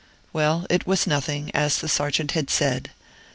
Well; it was nothing, as the Sergeant had said.